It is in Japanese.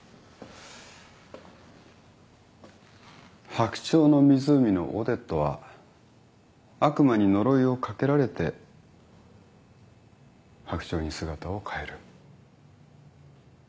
『白鳥の湖』のオデットは悪魔に呪いをかけられて白鳥に姿を変える。